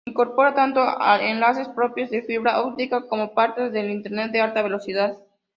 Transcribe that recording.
Incorpora tanto enlaces propios de fibra óptica como partes de Internet de alta velocidad.